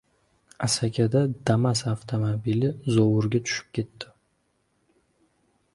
Asakada "Damas" avtomobili zovurga tushib ketdi